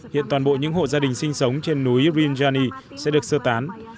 hiện toàn bộ những hộ gia đình sinh sống trên núi rinani sẽ được sơ tán